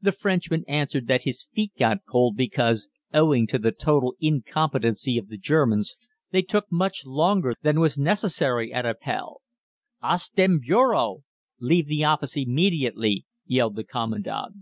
The Frenchman answered that his feet got cold because, owing to the total incompetency of the Germans, they took much longer than was necessary at Appell. "Aus dem Bureau!" (Leave the office immediately!) yelled the Commandant.